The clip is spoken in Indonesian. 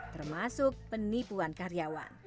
termasuk penipuan karyawan